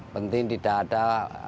penting tidak ada